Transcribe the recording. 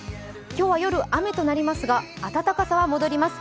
今日は夜、雨となりますが暖かさは戻ります。